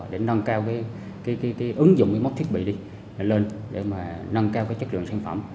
để nâng cao ứng dụng máy móc thiết bị lên để nâng cao chất lượng sản phẩm